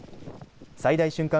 最大瞬間